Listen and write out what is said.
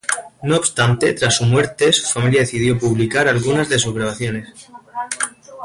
No obstante, tras su muerte, su familia decidió publicar algunas de sus grabaciones.